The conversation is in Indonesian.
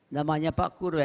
namanya pak kurwet